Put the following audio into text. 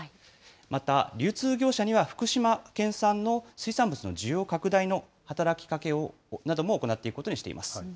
また、流通業者には福島県産の水産物の需要拡大の働きかけなども行っていくことにしています。